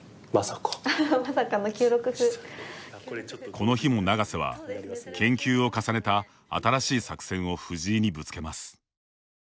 この日も永瀬は、研究を重ねた新しい作戦を藤井にぶつけます。